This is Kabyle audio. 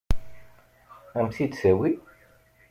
Ad m-t-id-tawi?